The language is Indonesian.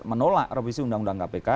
menolak revisi undang undang kpk